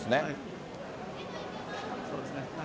そうですね。